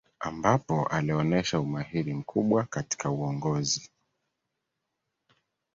Ambapo alionesha umahiri mkubwa katika uongozi